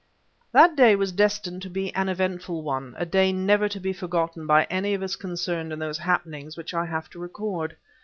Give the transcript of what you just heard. That day was destined to be an eventful one; a day never to be forgotten by any of us concerned in those happenings which I have to record.